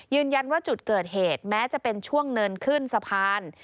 ยืนยันว่าจุดเกิดเหตุแม้จะเป็นช่วงเนินขึ้นสะพาน